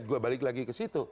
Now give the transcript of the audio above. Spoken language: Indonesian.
gue balik lagi ke situ